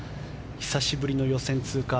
久しぶりの予選通過。